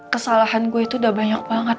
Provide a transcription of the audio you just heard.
kesalahan gue itu udah banyak banget